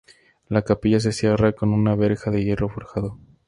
La capilla se cierra con una verja de hierro forjado.